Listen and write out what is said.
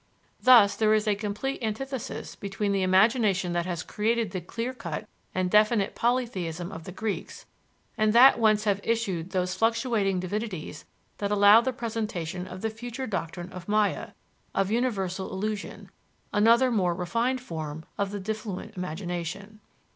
Thus, there is a complete antithesis between the imagination that has created the clear cut and definite polytheism of the Greeks and that whence have issued those fluctuating divinities that allow the presentation of the future doctrine of Mâya, of universal illusion another more refined form of the diffluent imagination.